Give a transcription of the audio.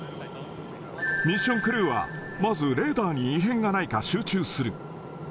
ミッションクルーは、まずレーダーに異変がないか集中する。